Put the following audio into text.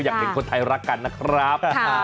อยากเห็นคนไทยรักกันนะครับ